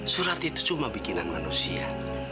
surat itu cuma bikinan manusia